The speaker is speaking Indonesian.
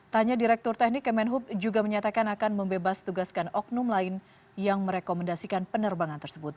tanya direktur teknik kemenhub juga menyatakan akan membebas tugaskan oknum lain yang merekomendasikan penerbangan tersebut